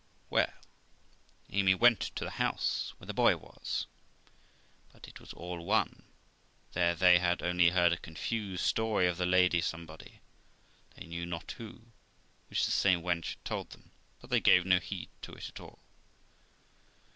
Well, Amy went to the house where the boy was; but it was all one, there they had only heard a confused story of the lady somebody, they knew not who, which the same wench had told them, but they gave no heed to it at all.